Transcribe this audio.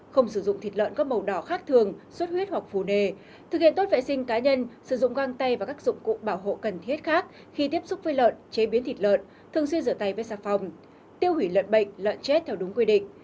không sử dụng thịt lợn các màu đỏ khác thường suất huyết hoặc phù nề thực hiện tốt vệ sinh cá nhân sử dụng găng tay và các dụng cụ bảo hộ cần thiết khác khi tiếp xúc với lợn chế biến thịt lợn thường xuyên rửa tay với sạc phòng tiêu hủy lợn bệnh lợn chết theo đúng quy định